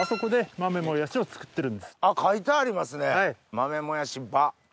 「豆もやし場」。